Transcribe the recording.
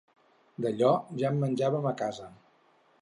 D'allò ja en menjaven a casa.